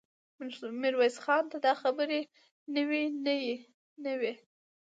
ميرويس خان ته دا خبرې نوې نه وې.